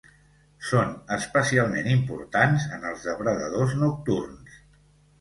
Són especialment importants en els depredadors nocturns.